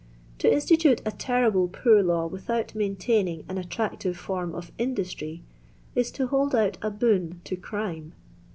To institute a terrible poor law with out maintaining an attractive form of industry, is to hold out a Iraon to crime.